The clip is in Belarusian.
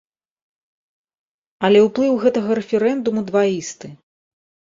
Але ўплыў гэтага рэферэндуму дваісты.